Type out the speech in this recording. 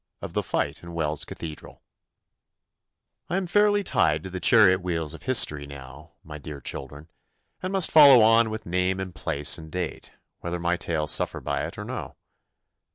Of the Fight in Wells Cathedral I am fairly tied to the chariot wheels of history now, my dear children, and must follow on with name and place and date, whether my tale suffer by it or no.